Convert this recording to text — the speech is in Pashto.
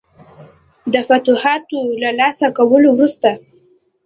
د فتوحاتو له ترلاسه کولو وروسته.